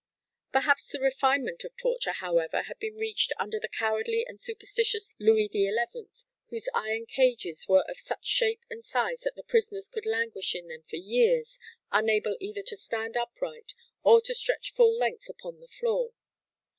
Perhaps the refinement of torture, however, had been reached under the cowardly and superstitious Louis XI, whose iron cages were of such shape and size that the prisoners could languish in them for years unable either to stand upright or to stretch full length upon the floor.